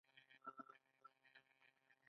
حیوانات په څو ډلو ویشل شوي؟